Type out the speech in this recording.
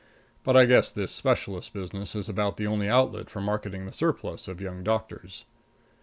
But I guess this specialist business is about the only outlet for marketing the surplus of young doctors.